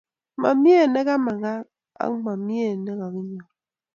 Mamie ne ka mang ak ko mamie ne kakinyor